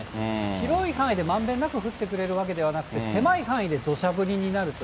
広い範囲でまんべんなく降ってくれるわけではなくて、狭い範囲でどしゃ降りになるという。